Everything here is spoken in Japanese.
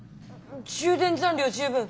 充電残量十分。